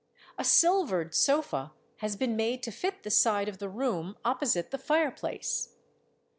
... A silvered sofa has been made to fit the side of the room opposite the fireplace.